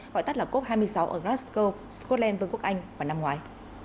gọi tắt là cốc hai mươi sáu ở glasgow scotland vương quốc anh và năm ngoài